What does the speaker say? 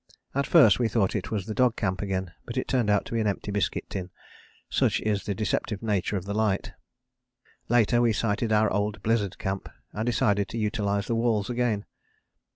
At first we thought it was the dog camp again, but it turned out to be an empty biscuit tin, such is the deceptive nature of the light. Later we sighted our old blizzard camp and decided to utilize the walls again.